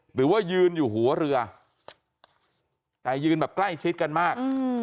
หรือว่ายืนอยู่หัวเรือแต่ยืนแบบใกล้ชิดกันมาก